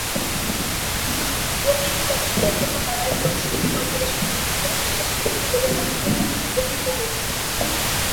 রকিব কমিশনের জন্য নারায়ণগঞ্জ সিটি করপোরেশনের নির্বাচনকে শেষ পরীক্ষা বলে অনেকেই অভিহিত করেছিলেন।